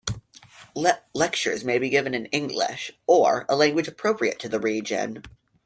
Lectures may be given in English or a language appropriate to the region.